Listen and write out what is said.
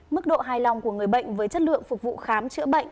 mức độ hài lòng của người bệnh với chất lượng phục vụ khám chữa bệnh